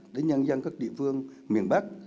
để nhân dân các địa phương miền bắc